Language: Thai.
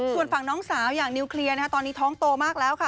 ส่วนฝั่งน้องสาวอย่างนิวเคลียร์ตอนนี้ท้องโตมากแล้วค่ะ